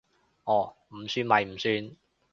哦，唔算咪唔算